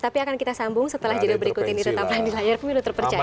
tapi akan kita sambung setelah jadwal berikut ini tetaplah di layar pemilu terpercaya